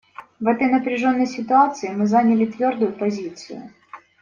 В этой напряженной ситуации мы заняли твердую позицию.